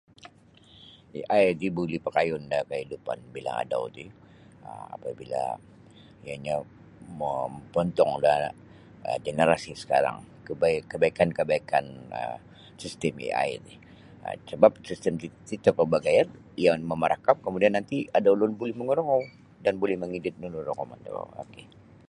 AI ti buli pakayun da kahidupan bilang adau ti um apabila iyonyo ma-mapontong da generasi um sakarang kabaik-kebaikan-kebaikan um sistem AI ti um sabab sistem titi kita pun bagayad iyo mamarakam kamudian nanti ada ulun buli makarongou dan buli mangidit nunu rakamon da ok.